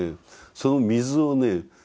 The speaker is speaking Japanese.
その水をね